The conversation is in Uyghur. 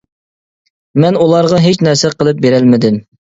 مەن ئۇلارغا ھېچ نەرسە قىلىپ بېرەلمىدىم.